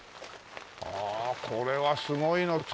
ああこれはすごいの作っちゃ。